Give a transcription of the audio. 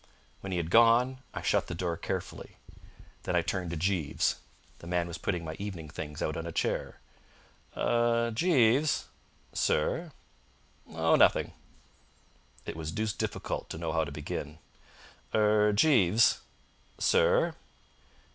When he had gone I shut the door carefully. Then I turned to Jeeves. The man was putting my evening things out on a chair. "Er Jeeves!" "Sir?" "Oh, nothing." It was deuced difficult to know how to begin. "Er Jeeves!" "Sir?"